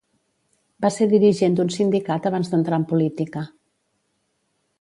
Va ser dirigent d'un sindicat abans d'entrar en política.